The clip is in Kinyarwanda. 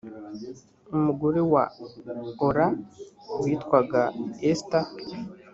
umugore wa ola witwaga esther